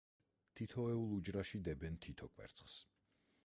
თითოეულ უჯრაში დებენ თითო კვერცხს.